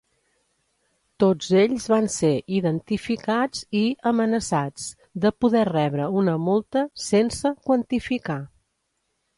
Tots ells van ser identificats i amenaçats de poder rebre una multa sense quantificar.